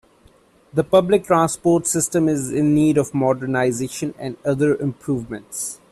The public transportation system is in need of modernization and other improvements.